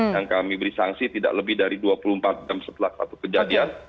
yang kami beri sanksi tidak lebih dari dua puluh empat jam setelah satu kejadian